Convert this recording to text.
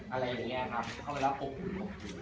อะไรอย่างนี้ครับเข้าไปรับอบอุ่น